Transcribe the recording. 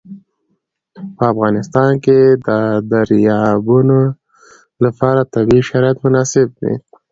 په افغانستان کې د دریابونه لپاره طبیعي شرایط مناسب دي.